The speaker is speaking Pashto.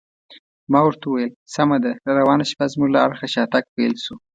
ما ورته وویل: سمه ده، راروانه شپه زموږ له اړخه شاتګ پیل شو.